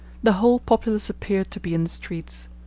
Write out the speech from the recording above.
The whole populace appeared to be in the streets.